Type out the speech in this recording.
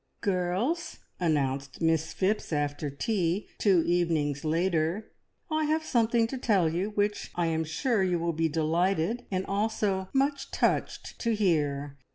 "Girls," announced Miss Phipps after tea, two evenings later, "I have something to tell you which I am sure you will be delighted, and also much touched to hear.